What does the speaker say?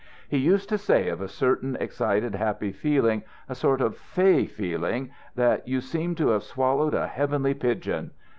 "He used to say of a certain excited, happy feeling, a sort of fey feeling, that you seemed to have swallowed a heavenly pigeon.